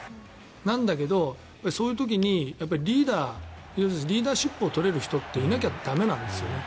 なんだけど、そういう時にリーダーシップを取れる人っていなきゃ駄目なんですよね。